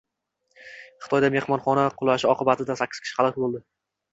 Xitoyda mehmonxona qulashi oqibatida sakkiz kishi halok bo‘ldi